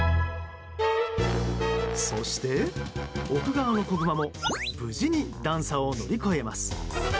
そして、奥側の子グマも無事に段差を乗り越えます。